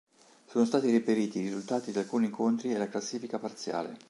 Sono stati reperiti i risultati di alcuni incontri e la classifica parziale.